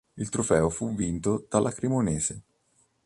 Il trofeo fu vinto dalla Cremonese.